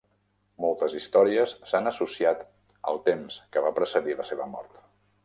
Moltes històries s'han associat al temps que va precedir la seva mort.